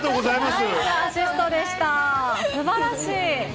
すばらしい。